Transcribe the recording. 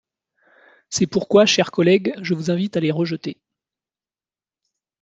C’est pourquoi, chers collègues, je vous invite à les rejeter.